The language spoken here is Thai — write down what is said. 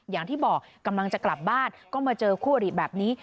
อย่างที่บอกกำลังจะกลับบ้านก็มาเจอคู่อริแบบนี้